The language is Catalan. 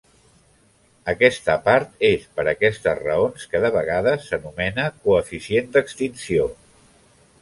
Aquesta part és per aquestes raons que de vegades s'anomena coeficient d'extinció.